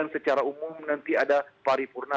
secara umum nanti ada paripurna